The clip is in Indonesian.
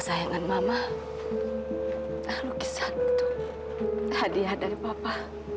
sayangan mama lukisan itu hadiah dari papa